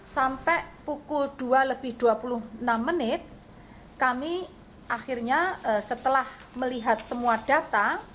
sampai pukul dua lebih dua puluh enam menit kami akhirnya setelah melihat semua data